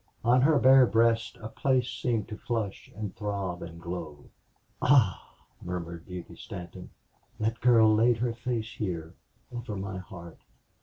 On her bare breast a place seemed to flush and throb and glow. "Ah!" murmured Beauty Stanton. "That girl laid her face here over my heart!